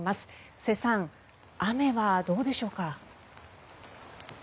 布施さん、雨はどうでしょうか？